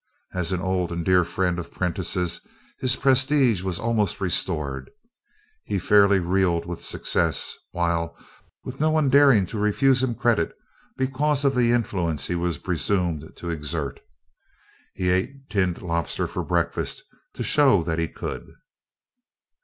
As an old and dear friend of Prentiss's his prestige was almost restored. He fairly reeled with success, while, with no one daring to refuse him credit because of the influence he was presumed to exert, he ate tinned lobster for breakfast to show that he could.